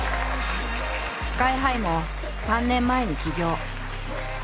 ＳＫＹ−ＨＩも３年前に起業。